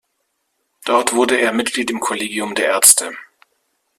Dort wurde er Mitglied im Kollegium der Ärzte.